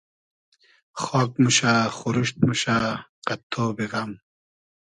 خاگ موشۂ خوروشت موشۂ قئد تۉبی غئم